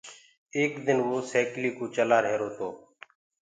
ايڪ دن وو سيڪلي ڪوُ چلآ رهيرو تو۔